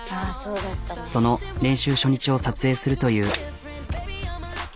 その練習初日を撮影するという。